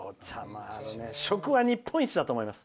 食は日本一だと思います。